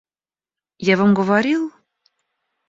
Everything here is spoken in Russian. Я вам говорил?